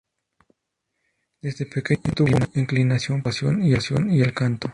Desde pequeño tuvo inclinación para la actuación y el canto.